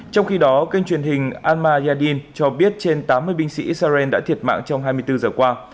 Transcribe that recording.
trong khi đó kênh truyền hình alma yadin cho biết trên tám mươi binh sĩ israel đã thiệt mạng trong hai mươi bốn giờ qua